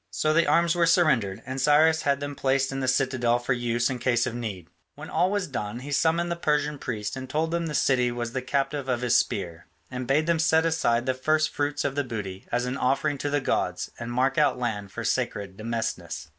So the arms were surrendered, and Cyrus had them placed in the citadel for use in case of need. When all was done he summoned the Persian priests and told them the city was the captive of his spear and bade them set aside the first fruits of the booty as an offering to the gods and mark out land for sacred demesnes.